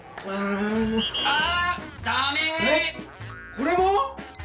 これも？